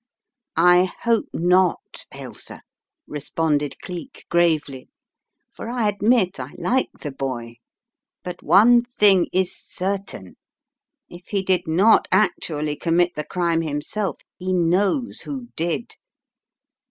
"I hope not, Ailsa," responded Cleek, gravely, "for I admit I like the boy. But one thing is certain, if he did not actually commit the crime himself, he knows who did.